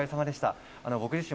お疲れ様でした。